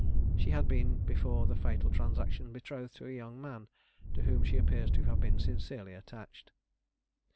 She had been before the fatal transaction betrothed to a young man, to whom she appears to have been sincerely attached.